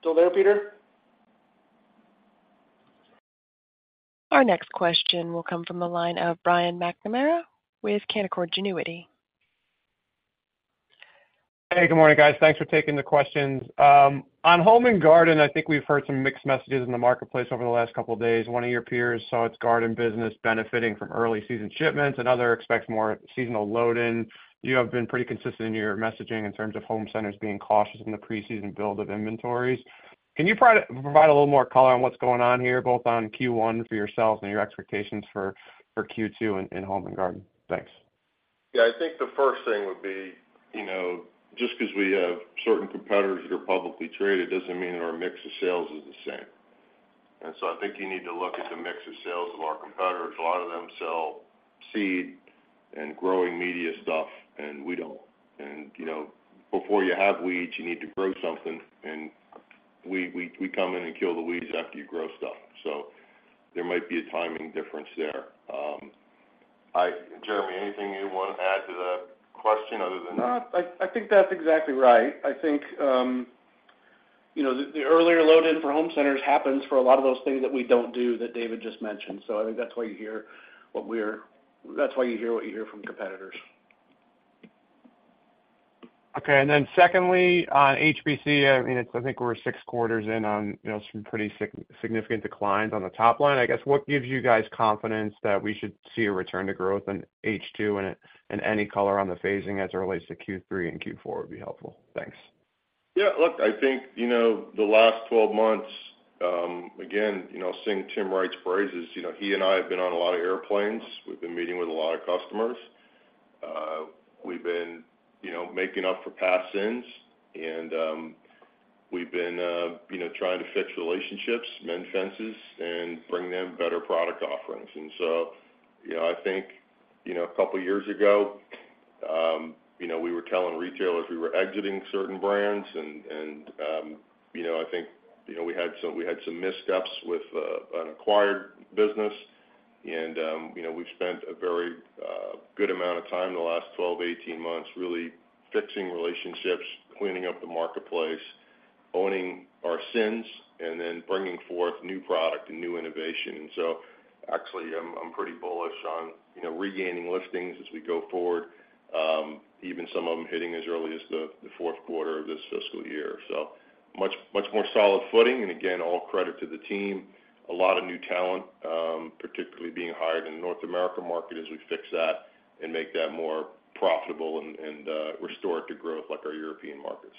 Still there, Peter? Our next question will come from the line of Brian McNamara with Canaccord Genuity. Hey, good morning, guys. Thanks for taking the questions. On Home & Garden, I think we've heard some mixed messages in the marketplace over the last couple of days. One of your peers saw its garden business benefiting from early season shipments, another expects more seasonal load in. You have been pretty consistent in your messaging in terms of home centers being cautious in the pre-season build of inventories. Can you provide a little more color on what's going on here, both on Q1 for yourselves and your expectations for Q2 in Home & Garden? Thanks. Yeah, I think the first thing would be, you know, just because we have certain competitors that are publicly traded, doesn't mean our mix of sales is the same. And so I think you need to look at the mix of sales of our competitors. A lot of them sell seed and growing media stuff, and we don't. And, you know, before you have weeds, you need to grow something, and we come in and kill the weeds after you grow stuff. So there might be a timing difference there. Hi, Jeremy, anything you want to add to that question other than that? No, I think that's exactly right. I think, you know, the earlier load-in for home centers happens for a lot of those things that we don't do, that David just mentioned. So I think that's why you hear what we're—that's why you hear what you hear from competitors. Okay. And then secondly, on HBC, I mean, it's, I think we're six quarters in on, you know, some pretty significant declines on the top line. I guess, what gives you guys confidence that we should see a return to growth in H2, and, and any color on the phasing as it relates to Q3 and Q4 would be helpful. Thanks. Yeah, look, I think, you know, the last 12 months, again, you know, seeing Tim Wright's praises, you know, he and I have been on a lot of airplanes. We've been meeting with a lot of customers. We've been, you know, making up for past sins, and, we've been, you know, trying to fix relationships, mend fences, and bring them better product offerings. And so, you know, I think, you know, a couple of years ago, you know, we were telling retailers we were exiting certain brands, and, and, you know, I think, you know, we had some, we had some missteps with, an acquired business. And, you know, we've spent a very good amount of time in the last 12-18 months really fixing relationships, cleaning up the marketplace, owning our sins, and then bringing forth new product and new innovation. And so, actually, I'm pretty bullish on, you know, regaining listings as we go forward, even some of them hitting as early as the fourth quarter of this fiscal year. So much more solid footing, and again, all credit to the team. A lot of new talent, particularly being hired in the North America market as we fix that and make that more profitable and restore it to growth like our European markets.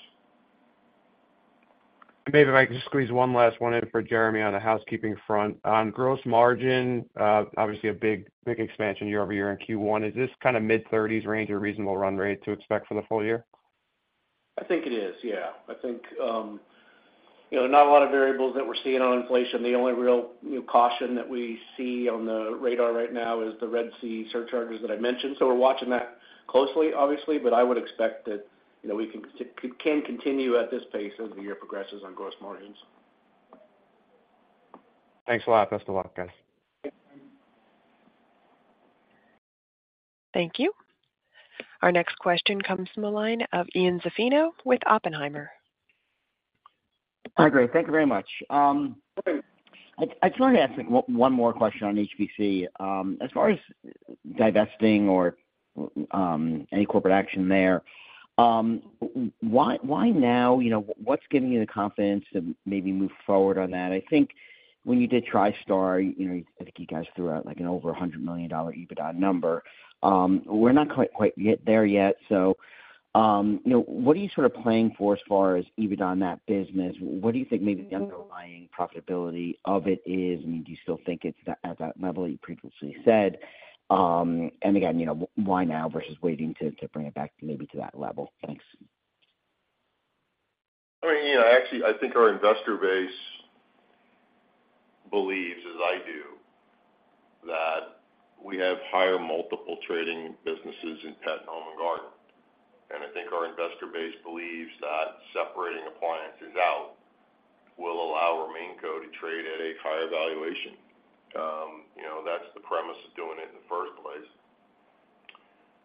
David, if I could just squeeze one last one in for Jeremy on the housekeeping front. On gross margin, obviously a big, big expansion year-over-year in Q1. Is this kind of mid-thirties range a reasonable run rate to expect for the full year? I think it is, yeah. I think, you know, not a lot of variables that we're seeing on inflation. The only real, you know, caution that we see on the radar right now is the Red Sea surcharges that I mentioned. So we're watching that closely, obviously, but I would expect that, you know, we can stick-- can continue at this pace as the year progresses on gross margins. Thanks a lot. Best of luck, guys. Thank you. Our next question comes from the line of Ian Zaffino with Oppenheimer. Hi, great. Thank you very much. I just wanted to ask one more question on HPC. As far as divesting or any corporate action there, why now? You know, what's giving you the confidence to maybe move forward on that? I think when you did Tristar, you know, I think you guys threw out, like, over $100 million EBITDA number. We're not quite there yet, so you know, what are you sort of playing for as far as EBITDA on that business? What do you think maybe the underlying profitability of it is? I mean, do you still think it's at that level you previously said? And again, you know, why now versus waiting to bring it back maybe to that level? Thanks. I mean, actually, I think our investor base believes, as I do, that we have higher multiple trading businesses in Pet, Home & Garden. And I think our investor base believes that separating appliances out will allow our main co to trade at a higher valuation. You know, that's the premise of doing it in the first place.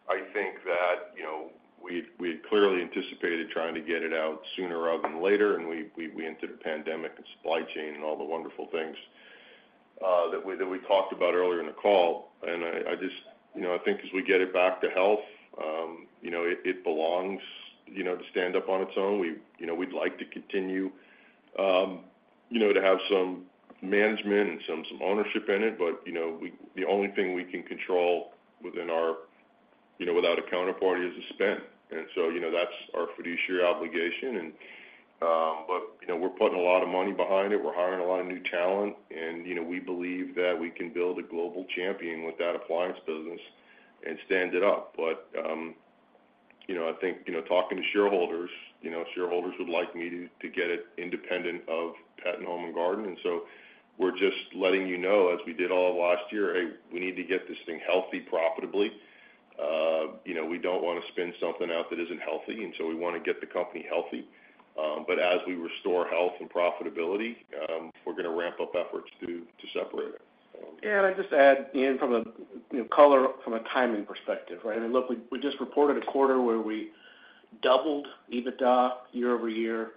I think that, you know, we'd, we'd clearly anticipated trying to get it out sooner rather than later, and we, we, we entered the pandemic and supply chain and all the wonderful things, that we, that we talked about earlier in the call. And I, I just, you know, I think as we get it back to health, you know, it, it belongs, you know, to stand up on its own. We, you know, we'd like to continue, you know, to have some management and some ownership in it, but, you know, we, the only thing we can control within our, you know, without a counterparty, is the spend. And so, you know, that's our fiduciary obligation. And, but, you know, we're putting a lot of money behind it. We're hiring a lot of new talent, and, you know, we believe that we can build a global champion with that appliance business and stand it up. But you know, I think you know, talking to shareholders, you know, shareholders would like me to get it independent of Pet and Home & Garden, and so we're just letting you know, as we did all of last year, "Hey, we need to get this thing healthy, profitably." You know, we don't want to spin something out that isn't healthy, and so we want to get the company healthy. But as we restore health and profitability, we're gonna ramp up efforts to separate it. So- Yeah, and I'd just add, Ian, from a, you know, color from a timing perspective, right? I mean, look, we just reported a quarter where we doubled EBITDA year-over-year,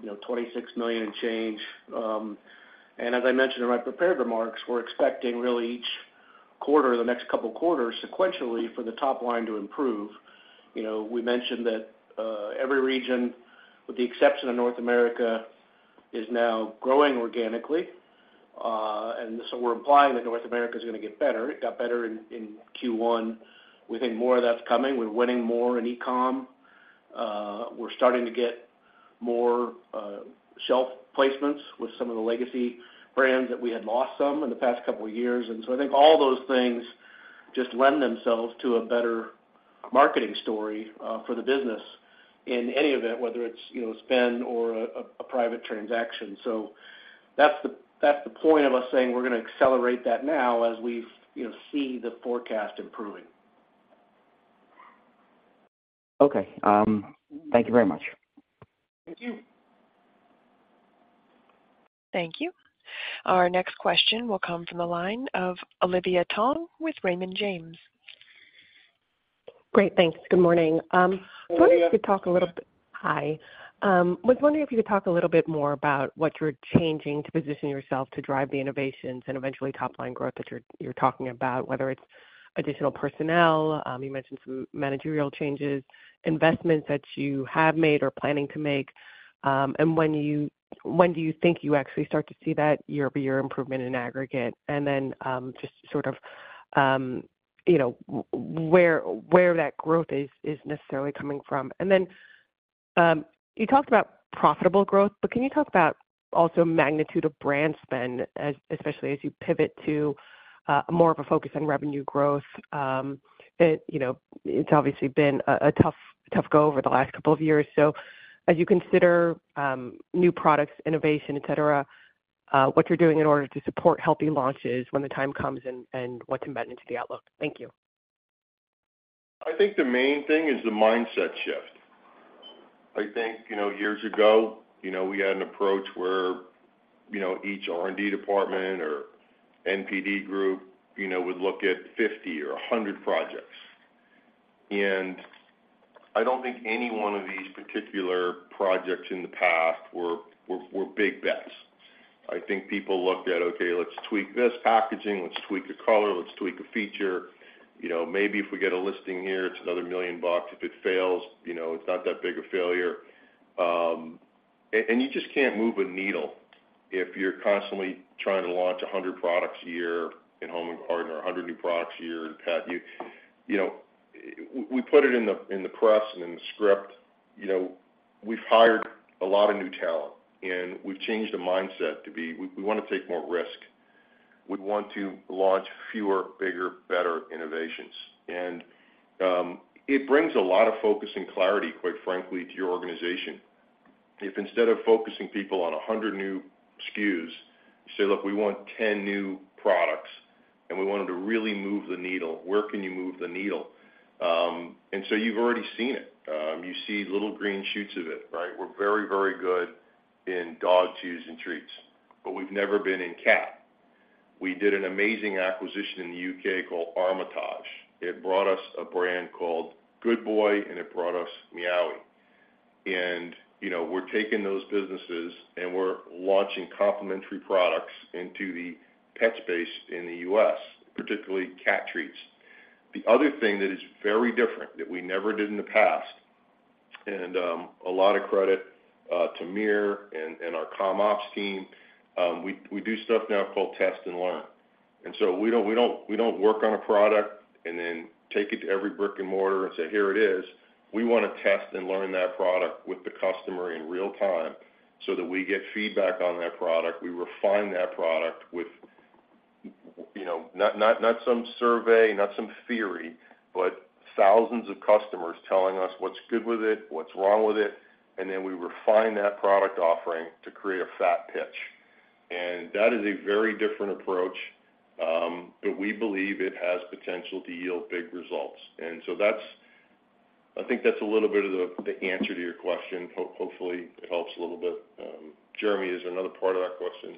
you know, $26 million and change. And as I mentioned in my prepared remarks, we're expecting really each quarter, the next couple of quarters, sequentially, for the top line to improve. You know, we mentioned that every region, with the exception of North America, is now growing organically. And so we're implying that North America is gonna get better. It got better in Q1. We think more of that's coming. We're winning more in e-com. We're starting to get more shelf placements with some of the legacy brands that we had lost some in the past couple of years. And so I think all those things just lend themselves to a better marketing story for the business in any event, whether it's, you know, spend or a private transaction. So that's the point of us saying we're gonna accelerate that now as we, you know, see the forecast improve. Okay, thank you very much. Thank you. Thank you. Our next question will come from the line of Olivia Tong with Raymond James. Great, thanks. Good morning. I was wondering if you could talk a little bit more about what you're changing to position yourself to drive the innovations and eventually top-line growth that you're talking about, whether it's additional personnel, you mentioned some managerial changes, investments that you have made or planning to make, and when you, when do you think you actually start to see that year-over-year improvement in aggregate? And then, just sort of, you know, where that growth is necessarily coming from. And then, you talked about profitable growth, but can you talk about also magnitude of brand spend, especially as you pivot to more of a focus on revenue growth? You know, it's obviously been a tough, tough go over the last couple of years. So as you consider new products, innovation, et cetera, what you're doing in order to support healthy launches when the time comes and what's embedded into the outlook? Thank you. I think the main thing is the mindset shift. I think, you know, years ago, you know, we had an approach where, you know, each R&D department or NPD group, you know, would look at 50 or 100 projects. And I don't think any one of these particular projects in the past were big bets. I think people looked at, okay, let's tweak this packaging, let's tweak a color, let's tweak a feature. You know, maybe if we get a listing here, it's another $1 million. If it fails, you know, it's not that big a failure. And you just can't move a needle if you're constantly trying to launch 100 products a year in Home & Garden, or 100 new products a year in pet. You know, we put it in the, in the press and in the script, you know, we've hired a lot of new talent, and we've changed the mindset to be, we, we wanna take more risk. We want to launch fewer, bigger, better innovations. And, it brings a lot of focus and clarity, quite frankly, to your organization. If instead of focusing people on 100 new SKUs, you say, "Look, we want 10 new products, and we want them to really move the needle," where can you move the needle? And so you've already seen it. You see little green shoots of it, right? We're very, very good in dog chews and treats, but we've never been in cat. We did an amazing acquisition in the U.K. called Armitage. It brought us a brand called Good Boy, and it brought us Meowee!. You know, we're taking those businesses, and we're launching complementary products into the pet space in the U.S., particularly cat treats. The other thing that is very different, that we never did in the past, and a lot of credit to Mir and our comm ops team, we do stuff now called test and learn. So we don't work on a product and then take it to every brick-and-mortar and say, "Here it is." We wanna test and learn that product with the customer in real time, so that we get feedback on that product. We refine that product with, you know, not some survey, not some theory, but thousands of customers telling us what's good with it, what's wrong with it, and then we refine that product offering to create a fat pitch. That is a very different approach, but we believe it has potential to yield big results. So that's... I think that's a little bit of the answer to your question. Hopefully, it helps a little bit. Jeremy, is there another part of that question?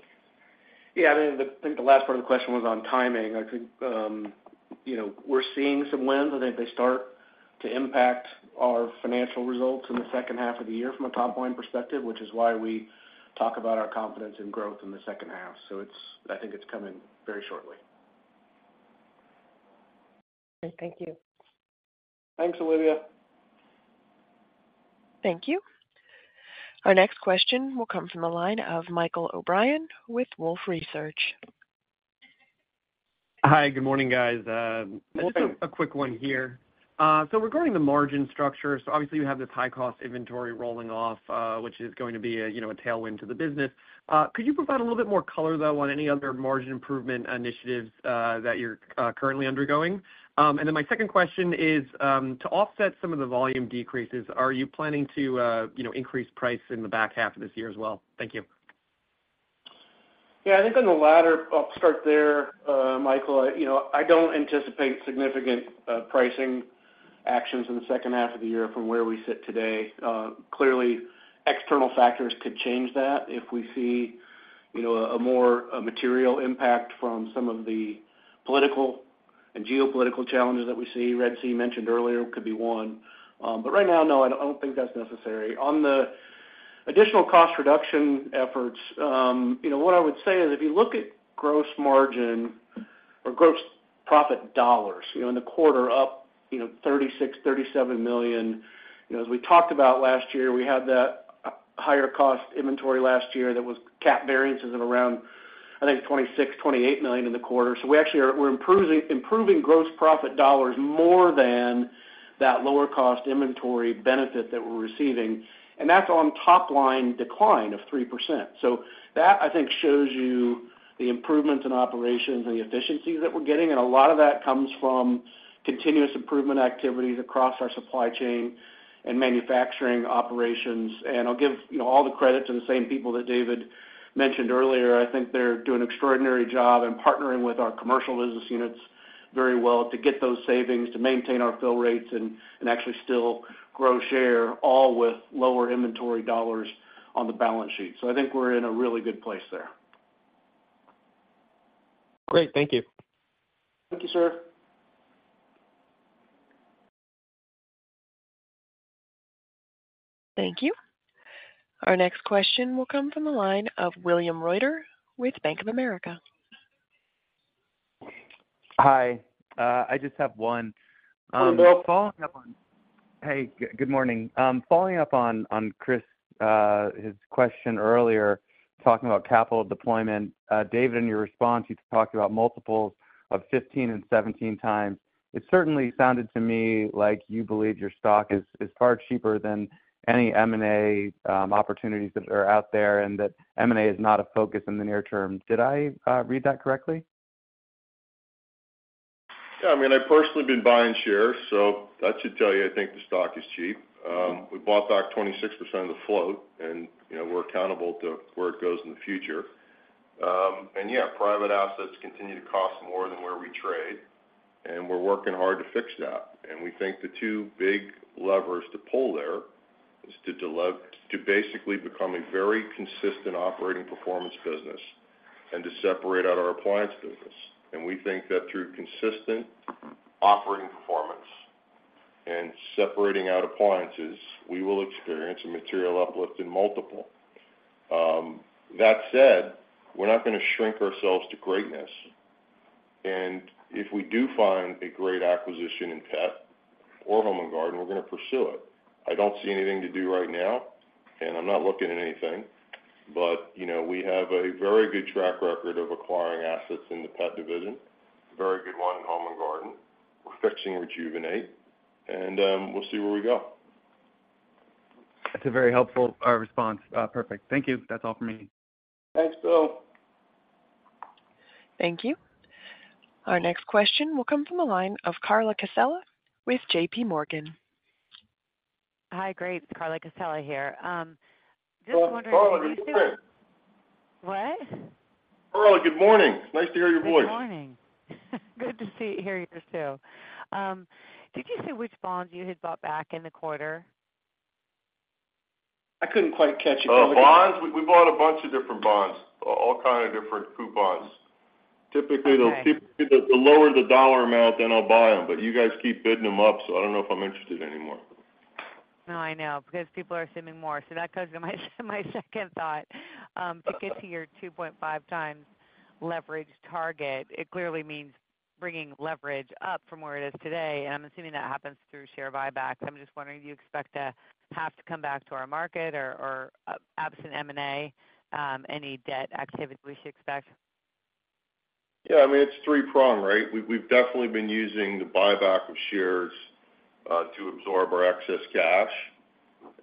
Yeah, I think the last part of the question was on timing. I think, you know, we're seeing some wins. I think they start to impact our financial results in the second half of the year from a top-line perspective, which is why we talk about our confidence in growth in the second half. So it's. I think it's coming very shortly. Great, thank you. Thanks, Olivia. Thank you. Our next question will come from the line of Michael O'Brien with Wolfe Research. Hi, good morning, guys. Just a quick one here. So regarding the margin structure, so obviously you have this high-cost inventory rolling off, which is going to be a, you know, tailwind to the business. Could you provide a little bit more color, though, on any other margin improvement initiatives that you're currently undergoing? And then my second question is, to offset some of the volume decreases, are you planning to, you know, increase price in the back half of this year as well? Thank you. Yeah, I think on the latter, I'll start there, Michael. You know, I don't anticipate significant pricing actions in the second half of the year from where we sit today. Clearly, external factors could change that if we see, you know, a more, a material impact from some of the political and geopolitical challenges that we see. Red Sea mentioned earlier could be one. But right now, no, I don't, I don't think that's necessary. On the additional cost reduction efforts, you know, what I would say is, if you look at gross margin or gross profit dollars, you know, in the quarter up, you know, $36 million-$37 million. You know, as we talked about last year, we had that higher cost inventory last year that was cap variances of around, I think, $26 million-$28 million in the quarter. So we actually are, we're improving, improving gross profit dollars more than that lower cost inventory benefit that we're receiving, and that's on top-line decline of 3%. So that, I think, shows you the improvements in operations and the efficiencies that we're getting, and a lot of that comes from continuous improvement activities across our supply chain and manufacturing operations. And I'll give, you know, all the credit to the same people that David mentioned earlier. I think they're doing an extraordinary job in partnering with our commercial business units very well to get those savings, to maintain our fill rates and actually still grow share, all with lower inventory dollars on the balance sheet. So I think we're in a really good place there. Great. Thank you. Thank you, sir. Thank you. Our next question will come from the line of William Reuter with Bank of America. Hi, I just have one. Hello. Hey, good morning. Following up on Chris's question earlier talking about capital deployment. David, in your response, you talked about multiples of 15x and 17x. It certainly sounded to me like you believe your stock is far cheaper than any M&A opportunities that are out there, and that M&A is not a focus in the near term. Did I read that correctly? Yeah, I mean, I've personally been buying shares, so that should tell you, I think the stock is cheap. We bought back 26% of the float, and, you know, we're accountable to where it goes in the future. And yeah, private assets continue to cost more than where we trade, and we're working hard to fix that. And we think the two big levers to pull there is to basically become a very consistent operating performance business and to separate out our appliance business. And we think that through consistent operating performance and separating out appliances, we will experience a material uplift in multiple. That said, we're not gonna shrink ourselves to greatness, and if we do find a great acquisition in pet or Home & Garden, we're gonna pursue it. I don't see anything to do right now, and I'm not looking at anything. But, you know, we have a very good track record of acquiring assets in the pet division, very good one in Home & Garden. We're fixing Rejuvenate, and we'll see where we go. That's a very helpful response. Perfect. Thank you. That's all for me. Thanks, Bill. Thank you. Our next question will come from the line of Carla Casella with JPMorgan. Hi, great, Carla Casella here. Just wondering- Oh, Carla, good morning. What? Carla, good morning. Nice to hear your voice. Good morning. Good to see, hear yours, too. Did you say which bonds you had bought back in the quarter? I couldn't quite catch it. Bonds? We bought a bunch of different bonds, all kind of different coupons. Okay. Typically, the lower the dollar amount, then I'll buy them. But you guys keep bidding them up, so I don't know if I'm interested anymore. No, I know, because people are assuming more. So that goes to my second thought. To get to your 2.5 times leverage target, it clearly means bringing leverage up from where it is today, and I'm assuming that happens through share buybacks. I'm just wondering, do you expect to have to come back to our market or, or absent M&A, any debt activity we should expect? Yeah, I mean, it's three-pronged, right? We've definitely been using the buyback of shares to absorb our excess cash.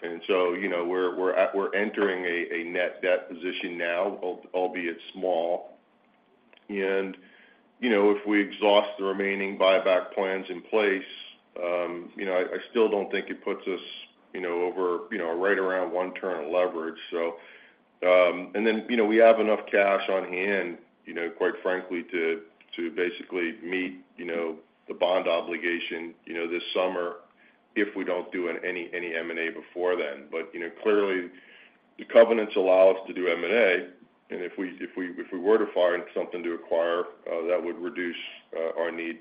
And so, you know, we're entering a net debt position now, albeit small. And, you know, if we exhaust the remaining buyback plans in place, you know, I still don't think it puts us, you know, over, you know, right around one turn of leverage. So, and then, you know, we have enough cash on hand, you know, quite frankly, to basically meet, you know, the bond obligation, you know, this summer, if we don't do any M&A before then. But, you know, clearly, the covenants allow us to do M&A, and if we were to find something to acquire, that would reduce our need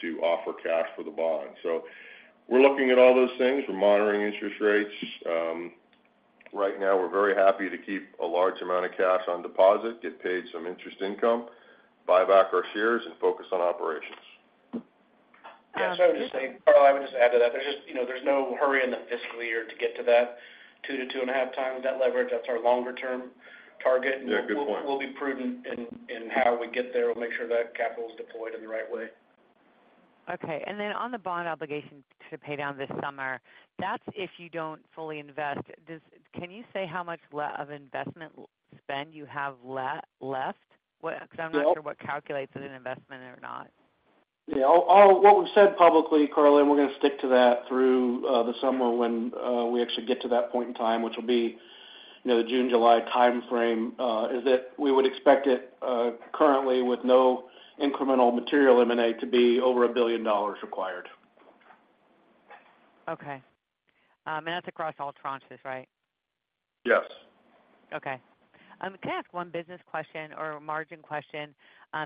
to offer cash for the bond. So we're looking at all those things. We're monitoring interest rates. Right now, we're very happy to keep a large amount of cash on deposit, get paid some interest income, buy back our shares, and focus on operations. Yeah, so I would just say, Carla, I would just add to that, there's just, you know, there's no hurry in the fiscal year to get to that 2-2.5 times that leverage. That's our longer-term target. Yeah, good point. We'll be prudent in how we get there. We'll make sure that capital is deployed in the right way. Okay. And then on the bond obligation to pay down this summer, that's if you don't fully invest. Can you say how much left of investment spend you have left? What- Nope. Because I'm not sure what calculates as an investment or not. Yeah. All, all what we've said publicly, Carla, and we're gonna stick to that through the summer when we actually get to that point in time, which will be, you know, the June, July timeframe, is that we would expect it, currently with no incremental material M&A, to be over $1 billion required. Okay. That's across all tranches, right? Yes. Okay. Can I ask one business question or a margin question?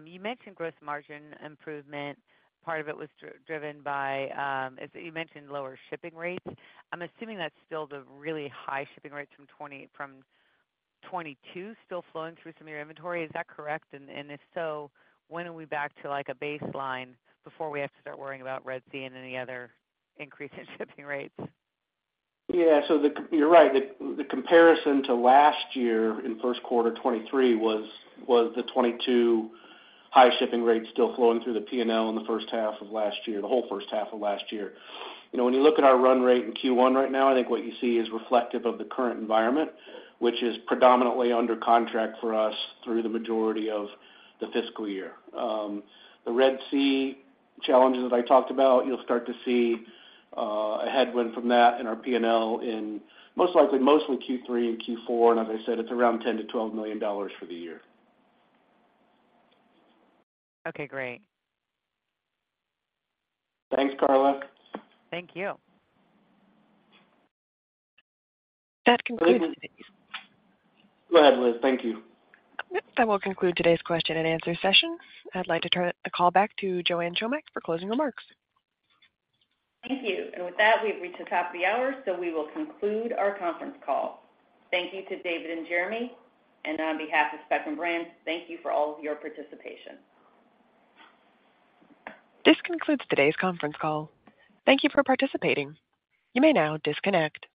You mentioned gross margin improvement. Part of it was driven by, as you mentioned, lower shipping rates. I'm assuming that's still the really high shipping rates from 2022 still flowing through some of your inventory. Is that correct? And if so, when are we back to, like, a baseline before we have to start worrying about Red Sea and any other increase in shipping rates? Yeah, so you're right. The comparison to last year in first quarter 2023 was the 2022 high shipping rates still flowing through the P&L in the first half of last year, the whole first half of last year. You know, when you look at our run rate in Q1 right now, I think what you see is reflective of the current environment, which is predominantly under contract for us through the majority of the fiscal year. The Red Sea challenges that I talked about, you'll start to see a headwind from that in our P&L in most likely, mostly Q3 and Q4. And as I said, it's around $10 million-$12 million for the year. Okay, great. Thanks, Carla. Thank you. That concludes today's- Go ahead, Liz. Thank you. That will conclude today's question and answer session. I'd like to turn the call back to Joanne Chomiak for closing remarks. Thank you. With that, we've reached the top of the hour, so we will conclude our conference call. Thank you to David and Jeremy, and on behalf of Spectrum Brands, thank you for all of your participation. This concludes today's conference call. Thank you for participating. You may now disconnect.